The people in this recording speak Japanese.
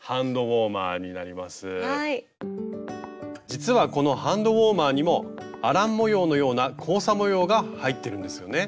実はこのハンドウォーマーにもアラン模様のような交差模様が入ってるんですよね？